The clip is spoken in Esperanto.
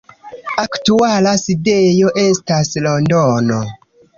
Aktuala sidejo estas Londono.